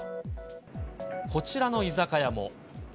こちらの居酒屋も。